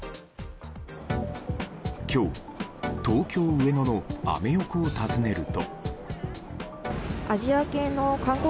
今日、東京・上野のアメ横を訪ねると。